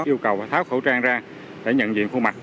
yêu cầu phải tháo khẩu trang ra để nhận diện phương mặt